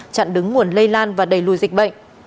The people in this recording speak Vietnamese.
chặn đứng nguồn lây lan và đẩy lùi dịch bệnh